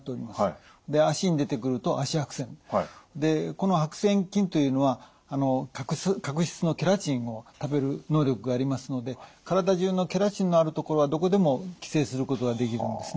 この白癬菌というのは角質のケラチンを食べる能力がありますので体中のケラチンのあるところはどこでも寄生することができるんですね。